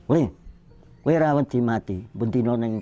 wih wera wadih mati bentinoneng tengah